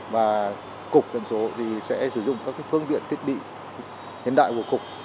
và cục tần số thì sẽ sử dụng các cái phương viện thiết bị hiện đại của cục